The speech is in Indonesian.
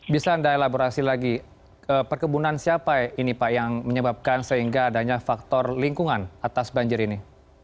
bisa anda elaborasi lagi perkebunan siapa ini pak yang menyebabkan sehingga adanya faktor lingkungan atas banjir ini